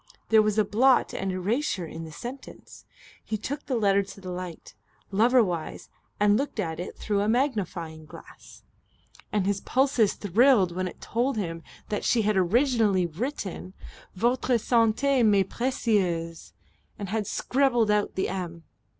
There was a blot and erasure in the sentence. He took the letter to the light, lover wise, and looked at it through a magnifying glass and his pulses thrilled when it told him that she had originally written, "Votre sante m'est precieuse," and had scrabbled out the "m."